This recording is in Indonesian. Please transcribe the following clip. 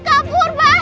kapur bayang bangun